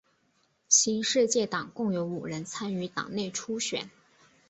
新世界党共有五人参与党内初选。